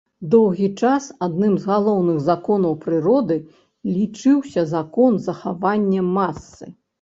Доўгі час адным з галоўных законаў прыроды лічыўся закон захавання масы.